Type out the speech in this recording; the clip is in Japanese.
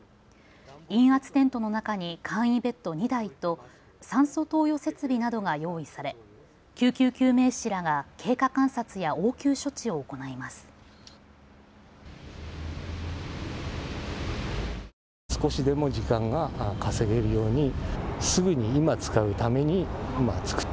陰圧テントの中に簡易ベッド２台と酸素投与設備などが用意され救急救命士らが経過観察や応急処置を行います。